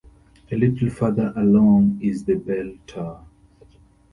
A little further along is the Bell Tower.